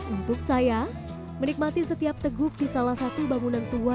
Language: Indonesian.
untuk saya menikmati setiap teguk di salah satu bangunan tua